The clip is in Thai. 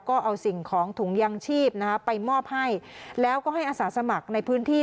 ก็เอาสิ่งของถุงยางชีพนะคะไปมอบให้แล้วก็ให้อาสาสมัครในพื้นที่